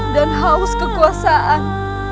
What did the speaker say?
dan haus kekuasaan